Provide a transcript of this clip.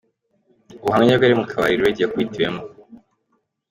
Ubuhamya bw’abari mu kabari Radio yakubitiwemo.